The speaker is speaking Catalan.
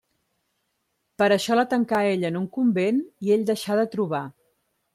Per això la tancà a ella en un convent i ell deixà de trobar.